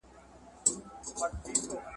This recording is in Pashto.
خو چي راغلې دې نړۍ ته د جنګونو پراخ میدان ته `